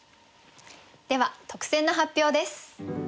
では特選の発表です。